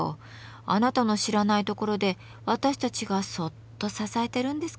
あなたの知らないところで私たちがそっと支えてるんですから。